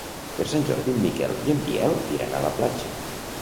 Per Sant Jordi en Miquel i en Biel iran a la platja.